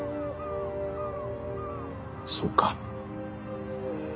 そうか。